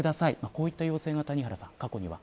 こういった要請が谷原さん